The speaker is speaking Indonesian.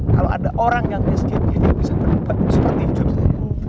kalau ada orang yang miskin dia bisa berdebat seperti hidup saya